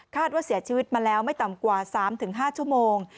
ว่าเสียชีวิตมาแล้วไม่ต่ำกว่า๓๕ชั่วโมง